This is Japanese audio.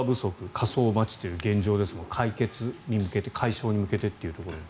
火葬待ちという現状ですが解決、解消に向けてというところ。